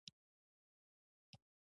افغانستان د هرات کوربه دی.